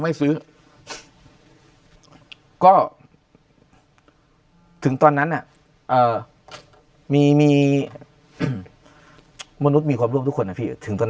ไม่ซื้อก็ถึงตอนนั้นมีมีมนุษย์มีความร่วมทุกคนถึงตอน